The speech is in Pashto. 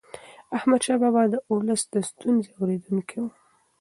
احمدشاه بابا د ولس د ستونزو اورېدونکی و.